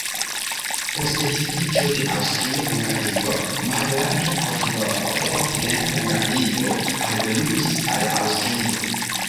Post disiĝo de Aŭstrio-Hungario mallarĝa koridoro de Okcidenta Hungario aldoniĝis al Aŭstrio.